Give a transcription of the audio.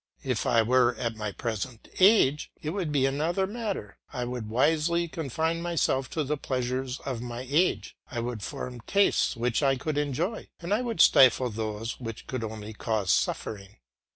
If I were at my present age, it would be another matter; I would wisely confine myself to the pleasures of my age; I would form tastes which I could enjoy, and I would stifle those which could only cause suffering.